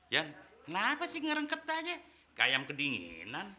jon kenapa sih ngerengket tanya kayak yang kedinginan